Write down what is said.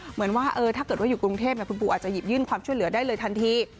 เหมือนว่าถ้าเกิดว่าอยู่กรุงเทพคุณปูอาจจะหยิบยื่นความช่วยเหลือได้เลยทันที